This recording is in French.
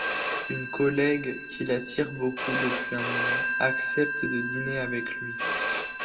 Une collègue qui l'attire beaucoup depuis un moment, accepte de dîner avec lui.